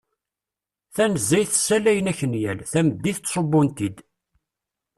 Tanezzayt ssalayen akenyal; tameddit ttsubbun-t-id.